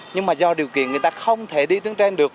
nhưng mà do điều kiện người ta không thể đi tuyến trên được